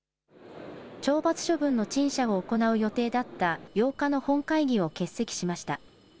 懲罰処分の陳謝を行う予定だった８日の本会議を欠席しました。